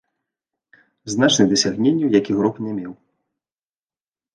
Значных дасягненняў як ігрок не меў.